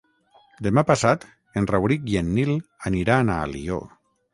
Demà passat en Rauric i en Nil aniran a Alió.